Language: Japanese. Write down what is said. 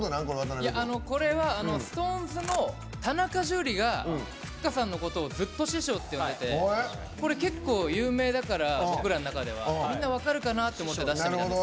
これはＳｉｘＴＯＮＥＳの田中樹がふっかさんのことをずっと師匠って呼んでてこれ結構有名だから僕らの中ではだから分かるかなって思って。